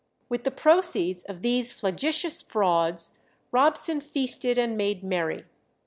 With the proceeds of these flagitious frauds Robson feasted and made merry.